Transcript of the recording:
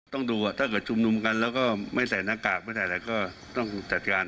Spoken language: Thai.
ต้องดูว่าถ้าเกิดชุมนุมกันแล้วก็ไม่ใส่หน้ากากไม่ใส่อะไรก็ต้องจัดการ